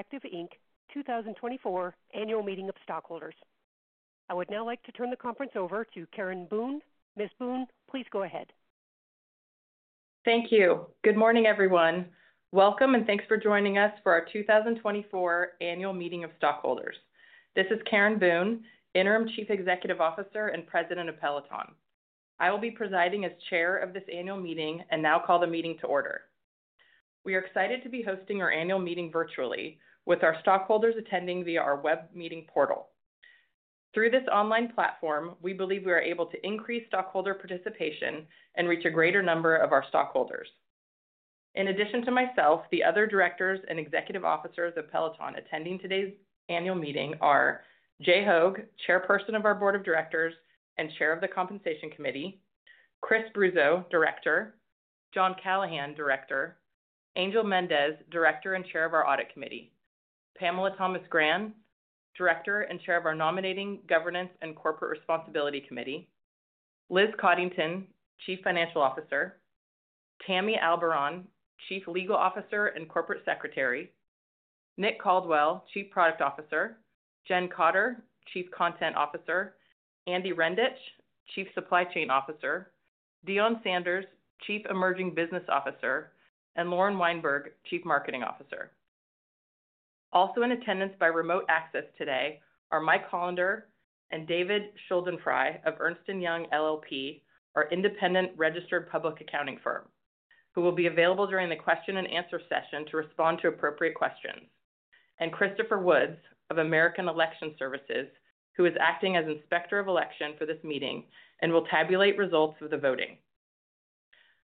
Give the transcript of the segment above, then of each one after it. Peloton Interactive Inc. 2024 Annual Meeting of Stockholders. I would now like to turn the conference over to Karen Boone. Ms. Boone, please go ahead. Thank you. Good morning, everyone. Welcome, and thanks for joining us for our 2024 Annual Meeting of Stockholders. This is Karen Boone, Interim Chief Executive Officer and President of Peloton. I will be presiding as Chair of this Annual Meeting and now call the meeting to order. We are excited to be hosting our Annual Meeting virtually, with our stockholders attending via our web meeting portal. Through this online platform, we believe we are able to increase stockholder participation and reach a greater number of our stockholders. In addition to myself, the other directors and executive officers of Peloton attending today's Annual Meeting are Jay Hoag, Chairperson of our Board of Directors and Chair of the Compensation Committee; Chris Bruzzo, Director; John Callahan, Director; Angel Mendez, Director and Chair of our Audit Committee; Pamela Thomas-Graham, Director and Chair of our Nominating Governance and Corporate Responsibility Committee; Liz Coddington, Chief Financial Officer; Tammy Albarrán, Chief Legal Officer and Corporate Secretary; Nick Caldwell, Chief Product Officer; Jen Cotter, Chief Content Officer; Andy Rendich, Chief Supply Chain Officer; Dion Sanders, Chief Emerging Business Officer; and Lauren Weinberg, Chief Marketing Officer. Also in attendance by remote access today are Mike Hollander and David Schuldenfrei of Ernst & Young LLP, our independent registered public accounting firm, who will be available during the question and answer session to respond to appropriate questions, and Christopher Woods of American Election Services, who is acting as Inspector of Election for this meeting and will tabulate results of the voting.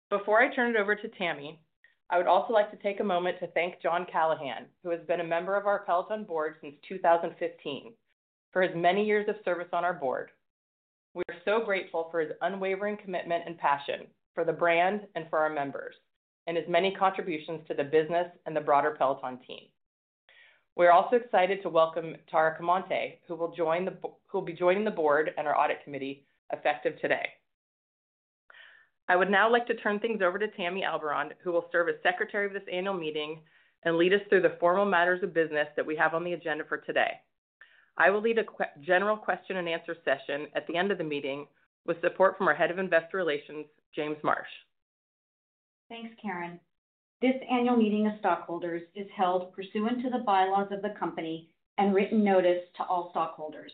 Before I turn it over to Tammy, I would also like to take a moment to thank John Callahan, who has been a member of our Peloton board since 2015 for his many years of service on our board. We are so grateful for his unwavering commitment and passion for the brand and for our members, and his many contributions to the business and the broader Peloton team. We are also excited to welcome Tara Comonte, who will join the board and our Audit Committee effective today. I would now like to turn things over to Tammy Albarrán, who will serve as Secretary of this Annual Meeting and lead us through the formal matters of business that we have on the agenda for today. I will lead a general question and answer session at the end of the meeting with support from our Head of Investor Relations, James Marsh. Thanks, Karen. This Annual Meeting of Stockholders is held pursuant to the bylaws of the company and written notice to all stockholders,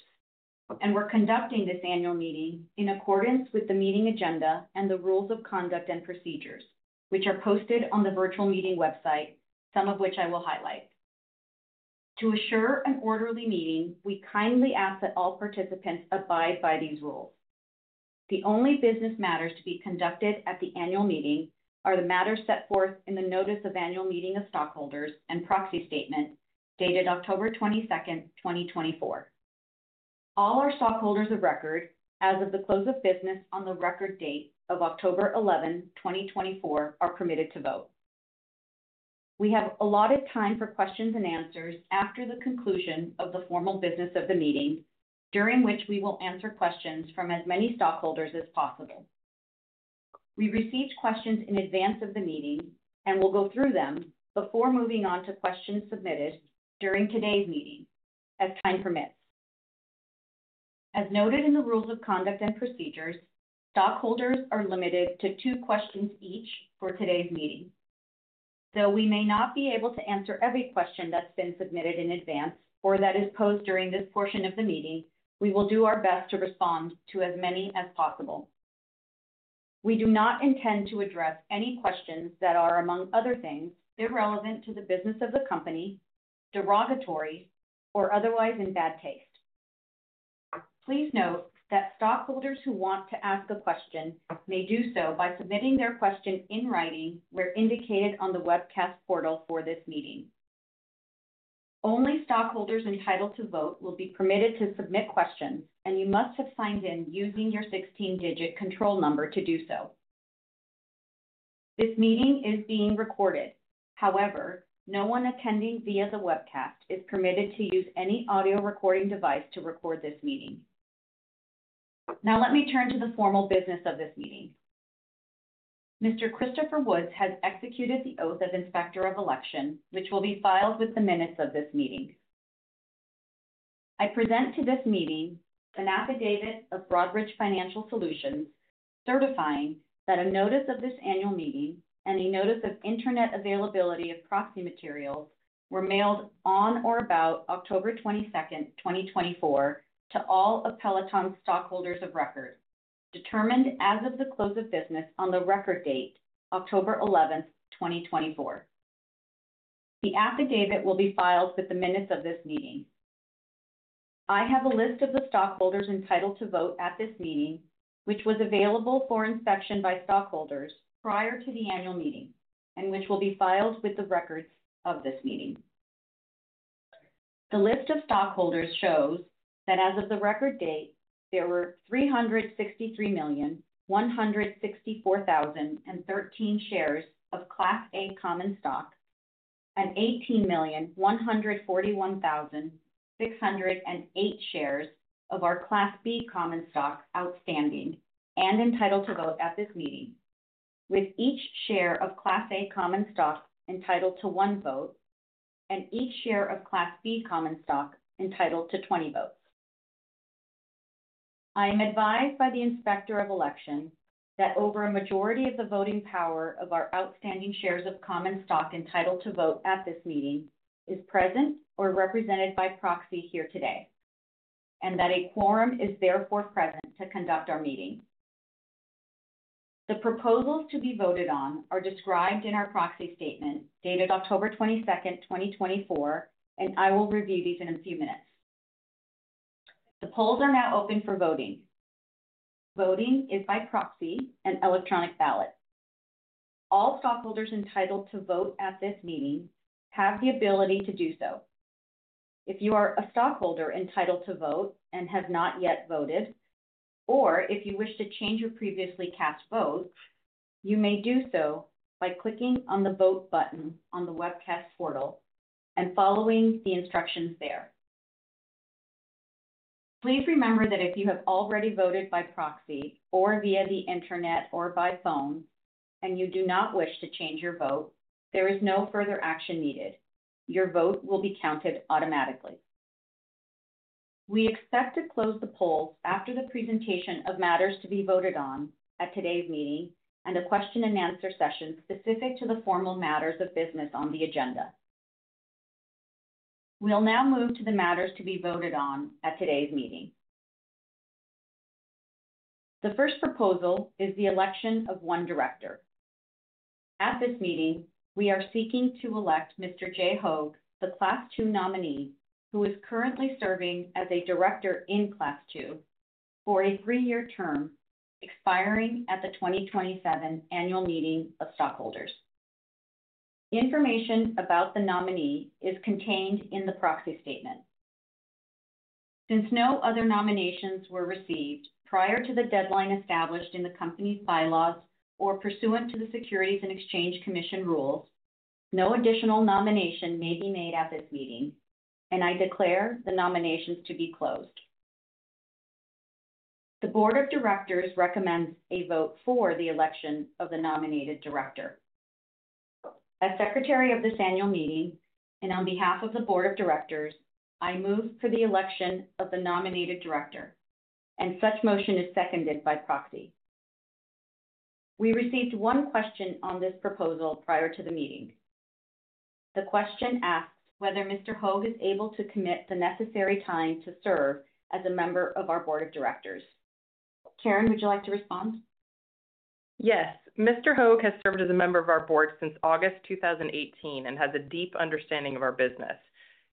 and we're conducting this Annual Meeting in accordance with the meeting agenda and the rules of conduct and procedures, which are posted on the virtual meeting website, some of which I will highlight. To assure an orderly meeting, we kindly ask that all participants abide by these rules. The only business matters to be conducted at the Annual Meeting are the matters set forth in the Notice of Annual Meeting of Stockholders and Proxy Statement dated October 22nd, 2024. All our stockholders of record, as of the close of business on the record date of October 11, 2024, are permitted to vote. We have allotted time for questions and answers after the conclusion of the formal business of the meeting, during which we will answer questions from as many stockholders as possible. We received questions in advance of the meeting and will go through them before moving on to questions submitted during today's meeting, as time permits. As noted in the rules of conduct and procedures, stockholders are limited to two questions each for today's meeting. Though we may not be able to answer every question that's been submitted in advance or that is posed during this portion of the meeting, we will do our best to respond to as many as possible. We do not intend to address any questions that are, among other things, irrelevant to the business of the company, derogatory, or otherwise in bad taste. Please note that stockholders who want to ask a question may do so by submitting their question in writing where indicated on the webcast portal for this meeting. Only stockholders entitled to vote will be permitted to submit questions, and you must have signed in using your 16-digit control number to do so. This meeting is being recorded. However, no one attending via the webcast is permitted to use any audio recording device to record this meeting. Now, let me turn to the formal business of this meeting. Mr. Christopher Woods has executed the oath of Inspector of Election, which will be filed with the minutes of this meeting. I present to this meeting an affidavit of Broadridge Financial Solutions certifying that a notice of this Annual Meeting and a notice of internet availability of proxy materials were mailed on or about October 22nd, 2024, to all of Peloton's stockholders of record, determined as of the close of business on the record date, October 11th, 2024. The affidavit will be filed with the minutes of this meeting. I have a list of the stockholders entitled to vote at this meeting, which was available for inspection by stockholders prior to the Annual Meeting and which will be filed with the records of this meeting. The list of stockholders shows that as of the record date, there were 363,164,013 shares of Class A common stock and 18,141,608 shares of our Class B common stock outstanding and entitled to vote at this meeting, with each share of Class A common stock entitled to one vote and each share of Class B common stock entitled to 20 votes. I am advised by the Inspector of Election that over a majority of the voting power of our outstanding shares of common stock entitled to vote at this meeting is present or represented by proxy here today, and that a quorum is therefore present to conduct our meeting. The proposals to be voted on are described in our proxy statement dated October 22nd, 2024, and I will review these in a few minutes. The polls are now open for voting. Voting is by proxy and electronic ballot. All stockholders entitled to vote at this meeting have the ability to do so. If you are a stockholder entitled to vote and have not yet voted, or if you wish to change your previously cast vote, you may do so by clicking on the vote button on the webcast portal and following the instructions there. Please remember that if you have already voted by proxy or via the internet or by phone and you do not wish to change your vote, there is no further action needed. Your vote will be counted automatically. We expect to close the polls after the presentation of matters to be voted on at today's meeting and a question and answer session specific to the formal matters of business on the agenda. We'll now move to the matters to be voted on at today's meeting. The first proposal is the election of one director. At this meeting, we are seeking to elect Mr. Jay Hoag, the Class II nominee who is currently serving as a director in Class II for a three-year term expiring at the 2027 Annual Meeting of Stockholders. Information about the nominee is contained in the proxy statement. Since no other nominations were received prior to the deadline established in the company's bylaws or pursuant to the Securities and Exchange Commission rules, no additional nomination may be made at this meeting, and I declare the nominations to be closed. The Board of Directors recommends a vote for the election of the nominated director. As Secretary of this Annual Meeting and on behalf of the Board of Directors, I move for the election of the nominated director, and such motion is seconded by proxy. We received one question on this proposal prior to the meeting. The question asks whether Mr. Hoag is able to commit the necessary time to serve as a member of our Board of Directors. Karen, would you like to respond? Yes. Mr. Hoag has served as a member of our board since August 2018 and has a deep understanding of our business.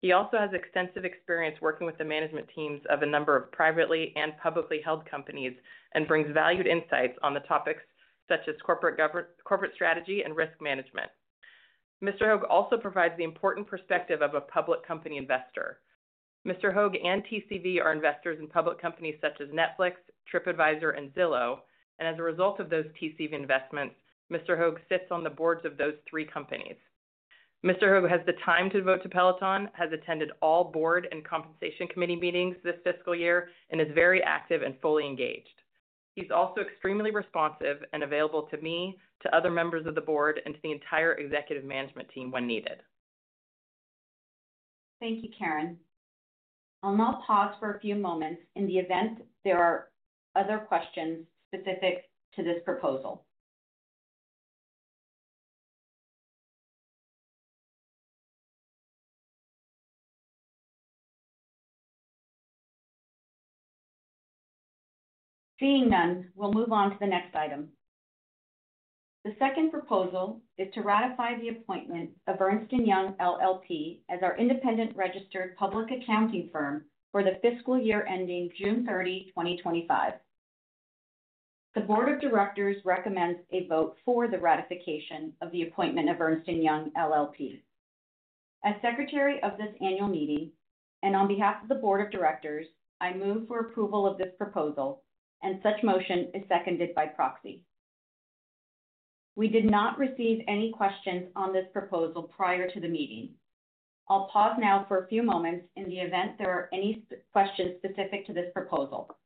He also has extensive experience working with the management teams of a number of privately and publicly held companies and brings valued insights on the topics such as corporate strategy and risk management. Mr. Hoag also provides the important perspective of a public company investor. Mr. Hoag and TCV are investors in public companies such as Netflix, TripAdvisor, and Zillow, and as a result of those TCV investments, Mr. Hoag sits on the boards of those three companies. Mr. Hoag has the time to devote to Peloton, has attended all board and compensation committee meetings this fiscal year, and is very active and fully engaged. He's also extremely responsive and available to me, to other members of the board, and to the entire executive management team when needed. Thank you, Karen. I'll now pause for a few moments. In the event there are other questions specific to this proposal. Seeing none, we'll move on to the next item. The second proposal is to ratify the appointment of Ernst & Young LLP as our independent registered public accounting firm for the fiscal year ending June 30, 2025. The Board of Directors recommends a vote for the ratification of the appointment of Ernst & Young LLP. As Secretary of this Annual Meeting and on behalf of the Board of Directors, I move for approval of this proposal, and such motion is seconded by proxy. We did not receive any questions on this proposal prior to the meeting. I'll pause now for a few moments in the event there are any questions specific to this proposal.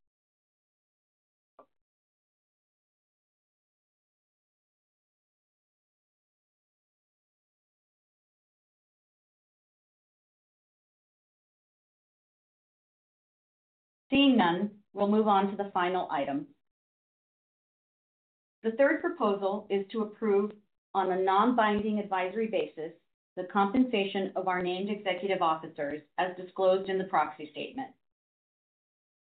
Seeing none, we'll move on to the final item. The third proposal is to approve on a non-binding advisory basis the compensation of our named executive officers as disclosed in the proxy statement.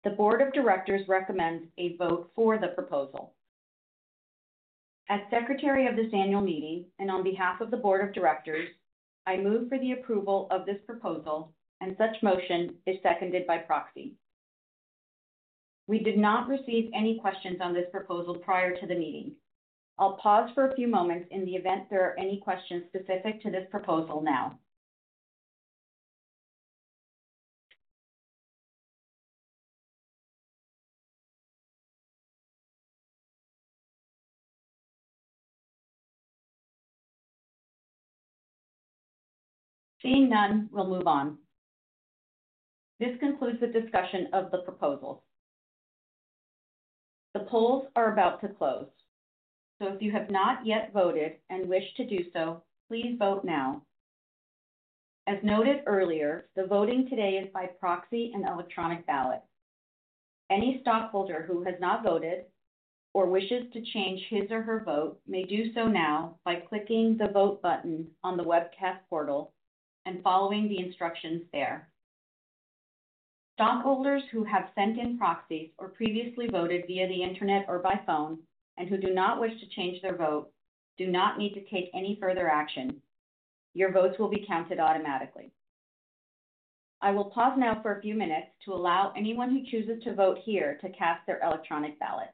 The Board of Directors recommends a vote for the proposal. As Secretary of this Annual Meeting and on behalf of the Board of Directors, I move for the approval of this proposal, and such motion is seconded by proxy. We did not receive any questions on this proposal prior to the meeting. I'll pause for a few moments in the event there are any questions specific to this proposal now. Seeing none, we'll move on. This concludes the discussion of the proposals. The polls are about to close. So if you have not yet voted and wish to do so, please vote now. As noted earlier, the voting today is by proxy and electronic ballot. Any stockholder who has not voted or wishes to change his or her vote may do so now by clicking the vote button on the webcast portal and following the instructions there. Stockholders who have sent in proxies or previously voted via the internet or by phone and who do not wish to change their vote do not need to take any further action. Your votes will be counted automatically. I will pause now for a few minutes to allow anyone who chooses to vote here to cast their electronic ballot.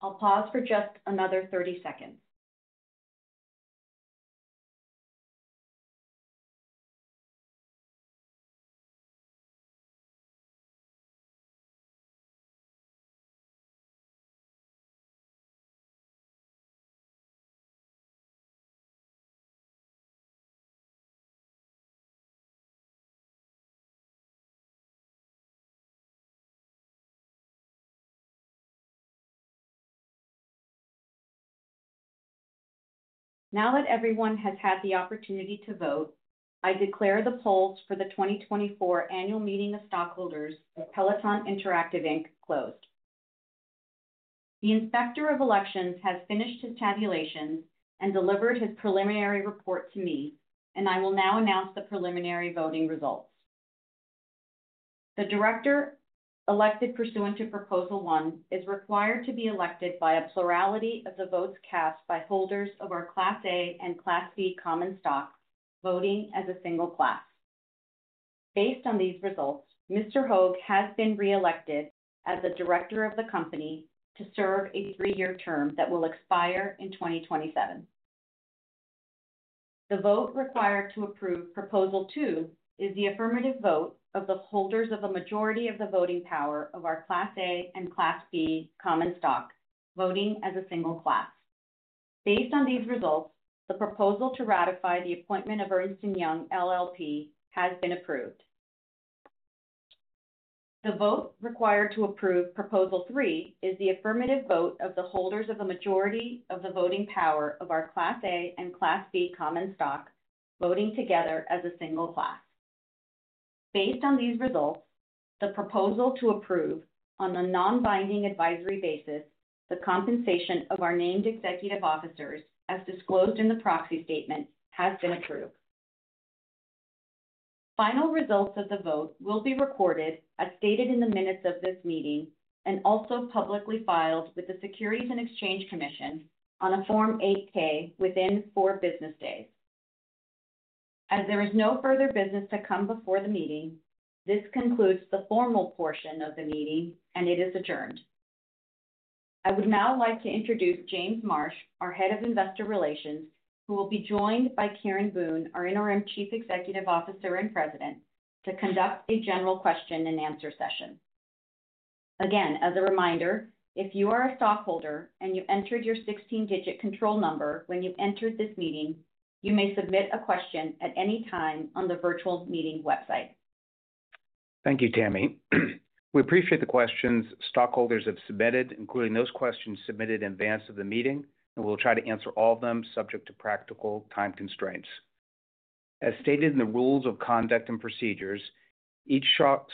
I'll pause for just another 30 seconds. Now that everyone has had the opportunity to vote, I declare the polls for the 2024 Annual Meeting of Stockholders of Peloton Interactive Inc. closed. The Inspector of Election has finished his tabulations and delivered his preliminary report to me, and I will now announce the preliminary voting results. The director elected pursuant to proposal one is required to be elected by a plurality of the votes cast by holders of our Class A and Class B common stock voting as a single class. Based on these results, Mr. Hoag has been reelected as the director of the company to serve a three-year term that will expire in 2027. The vote required to approve proposal two is the affirmative vote of the holders of a majority of the voting power of our Class A and Class B common stock voting as a single class. Based on these results, the proposal to ratify the appointment of Ernst & Young LLP has been approved. The vote required to approve proposal three is the affirmative vote of the holders of a majority of the voting power of our Class A and Class B common stock voting together as a single class. Based on these results, the proposal to approve on a non-binding advisory basis the compensation of our named executive officers as disclosed in the proxy statement has been approved. Final results of the vote will be recorded as stated in the minutes of this meeting and also publicly filed with the Securities and Exchange Commission on a Form 8-K within four business days. As there is no further business to come before the meeting, this concludes the formal portion of the meeting, and it is adjourned. I would now like to introduce James Marsh, our Head of Investor Relations, who will be joined by Karen Boone, our Interim Chief Executive Officer and President, to conduct a general question-and-answer session. Again, as a reminder, if you are a stockholder and you entered your 16-digit control number when you entered this meeting, you may submit a question at any time on the virtual meeting website. Thank you, Tammy. We appreciate the questions stockholders have submitted, including those questions submitted in advance of the meeting, and we'll try to answer all of them subject to practical time constraints. As stated in the rules of conduct and procedures, each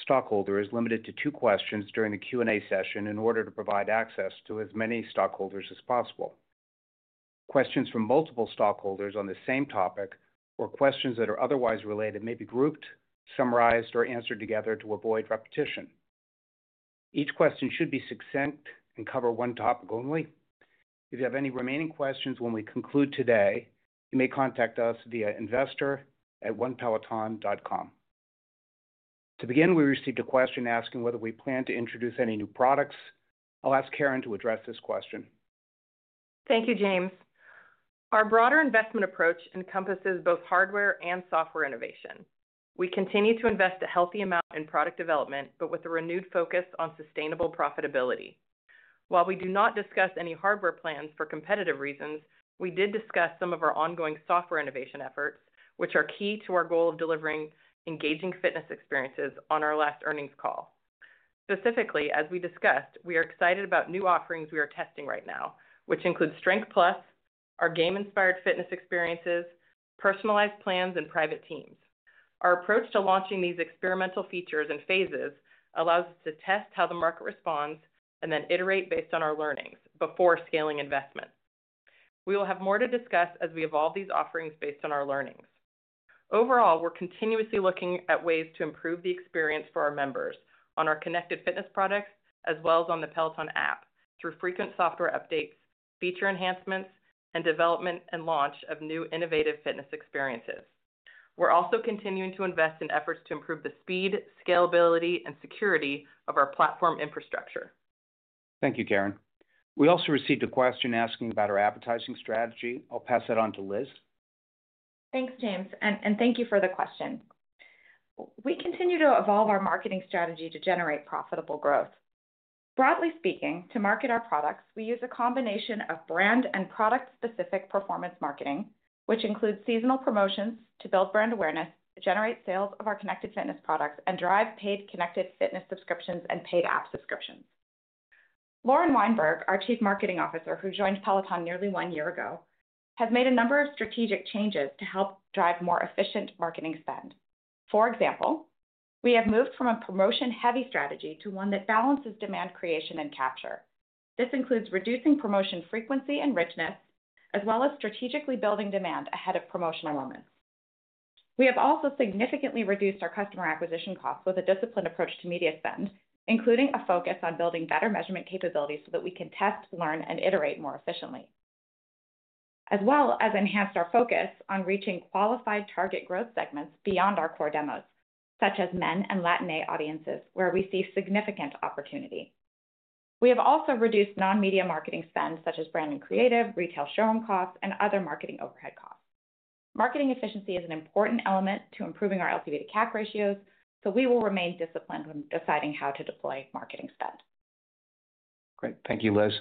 stockholder is limited to two questions during the Q&A session in order to provide access to as many stockholders as possible. Questions from multiple stockholders on the same topic or questions that are otherwise related may be grouped, summarized, or answered together to avoid repetition. Each question should be succinct and cover one topic only. If you have any remaining questions when we conclude today, you may contact us via investor@onepeloton.com. To begin, we received a question asking whether we plan to introduce any new products. I'll ask Karen to address this question. Thank you, James. Our broader investment approach encompasses both hardware and software innovation. We continue to invest a healthy amount in product development, but with a renewed focus on sustainable profitability. While we do not discuss any hardware plans for competitive reasons, we did discuss some of our ongoing software innovation efforts, which are key to our goal of delivering engaging fitness experiences on our last earnings call. Specifically, as we discussed, we are excited about new offerings we are testing right now, which include Strength Plus, our game-inspired fitness experiences, personalized plans, and private teams. Our approach to launching these experimental features and phases allows us to test how the market responds and then iterate based on our learnings before scaling investment. We will have more to discuss as we evolve these offerings based on our learnings. Overall, we're continuously looking at ways to improve the experience for our members on our connected fitness products as well as on the Peloton App through frequent software updates, feature enhancements, and development and launch of new innovative fitness experiences. We're also continuing to invest in efforts to improve the speed, scalability, and security of our platform infrastructure. Thank you, Karen. We also received a question asking about our advertising strategy. I'll pass that on to Liz. Thanks, James, and thank you for the question. We continue to evolve our marketing strategy to generate profitable growth. Broadly speaking, to market our products, we use a combination of brand and product-specific performance marketing, which includes seasonal promotions to build brand awareness, to generate sales of our connected fitness products, and drive paid connected fitness subscriptions and paid app subscriptions. Lauren Weinberg, our Chief Marketing Officer, who joined Peloton nearly one year ago, has made a number of strategic changes to help drive more efficient marketing spend. For example, we have moved from a promotion-heavy strategy to one that balances demand creation and capture. This includes reducing promotion frequency and richness, as well as strategically building demand ahead of promotional moments. We have also significantly reduced our customer acquisition costs with a disciplined approach to media spend, including a focus on building better measurement capabilities so that we can test, learn, and iterate more efficiently, as well as enhanced our focus on reaching qualified target growth segments beyond our core demos, such as men and Latine audiences, where we see significant opportunity. We have also reduced non-media marketing spend, such as brand and creative, retail showroom costs, and other marketing overhead costs. Marketing efficiency is an important element to improving our LTV to CAC ratios, so we will remain disciplined when deciding how to deploy marketing spend. Great. Thank you, Liz.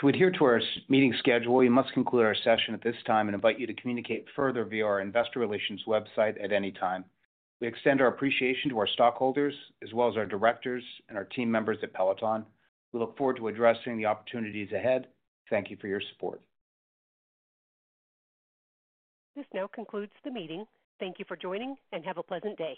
To adhere to our meeting schedule, we must conclude our session at this time and invite you to communicate further via our investor relations website at any time. We extend our appreciation to our stockholders, as well as our directors and our team members at Peloton. We look forward to addressing the opportunities ahead. Thank you for your support. This note concludes the meeting. Thank you for joining, and have a pleasant day.